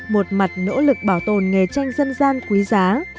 một mặt nỗ lực bảo tồn nghề tranh dân gian quý giá